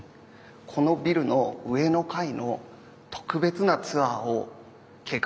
このビルの上の階の特別なツアーを計画してるんですよね。